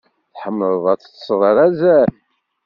Tḥemmleḍ ad teṭṭseḍ ar azal?